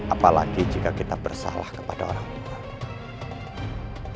apalagi jika kita bersalah kepada orang tua